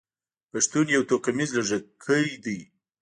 پښتون يو توکميز لږکي دی.